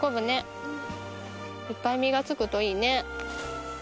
いっぱい実がつくといいね。